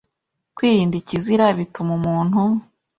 Kwirinda ikizira bituma umuntu